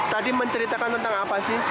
tadi menceritakan tentang apa sih